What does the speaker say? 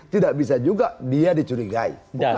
tidak bisa juga dia dicurigai